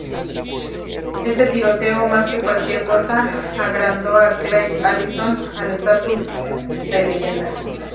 Este tiroteo más que cualquier cosa agrandó a Clay Allison al estatus de leyenda.